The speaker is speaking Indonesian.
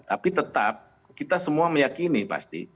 tapi tetap kita semua meyakini pasti